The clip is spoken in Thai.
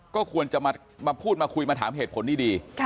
ก็ควรจะมาพูดมาคุยมาถามเหตุผลดี